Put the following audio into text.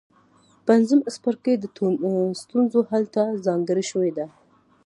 پنځم څپرکی د ستونزو حل ته ځانګړی شوی دی.